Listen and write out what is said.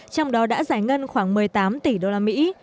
trong đó đã giải ngân khoảng một mươi tám tỷ đô la mỹ